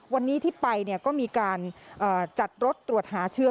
วันนี้ที่ไปก็มีการจัดรถตรวจหาเชื้อ